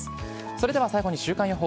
それでは最後に週間予報。